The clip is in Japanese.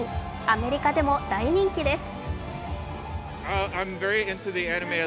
アメリカでも大人気です。